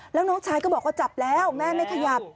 แล้วน้องชายก็บอกว่าจับแล้วแม่ไม่ขยับ